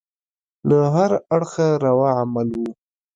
له هره اړخه روا عمل وو.